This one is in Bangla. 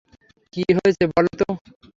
কি হয়েছে বলো তো?